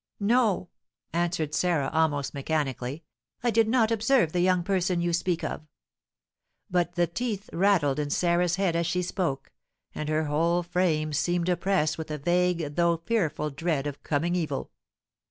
"No!" answered Sarah, almost mechanically; "I did not observe the young person you speak of." But the teeth rattled in Sarah's head as she spoke, and her whole frame seemed oppressed with a vague though fearful dread of coming evil.